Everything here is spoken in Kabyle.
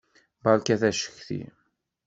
Beṛkat acetki.